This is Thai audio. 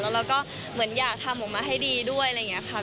แล้วก็เหมือนอยากทำออกมาให้ดีด้วยอะไรอย่างนี้ค่ะ